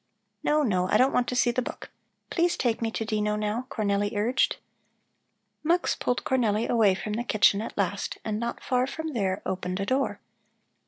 "No, no, I don't want to see the book. Please take me to Dino now," Cornelli urged. Mux pulled Cornelli away from the kitchen at last and, not far from there, opened a door.